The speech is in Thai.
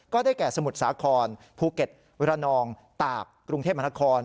ก็ได้แก่สมุดสาครภูเก็ตวิรณองตากกรุงเทพมหาคล